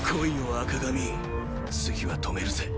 赤髪次は止めるぜ。